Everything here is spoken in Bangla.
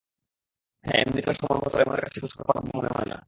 হ্যাঁ, এমনিতেও সময়মতো লেমনের কাছে পৌঁছাতে পারবো মনে হয় না।